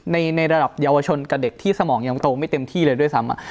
ในระดับเยาวชนกับเด็กที่สมองยังโตไม่เต็มที่เลยด้วยซ้ำ